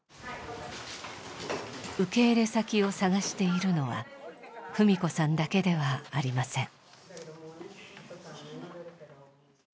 受け入れ先を探しているのは文子さんだけではありません。